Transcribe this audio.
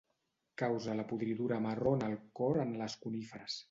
Causa la podridura marró en el cor en les coníferes.